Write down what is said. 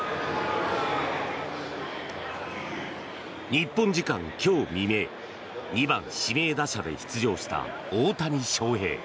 日本時間今日未明２番指名打者で出場した大谷翔平。